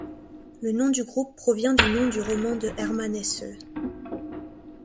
Le nom du groupe provient du nom du roman de Hermann Hesse.